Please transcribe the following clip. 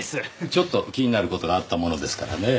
ちょっと気になる事があったものですからねぇ。